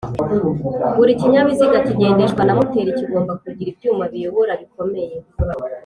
Buri kinyabiziga kigendeshwa na moteri kigomba kugira ibyuma biyobora bikomeye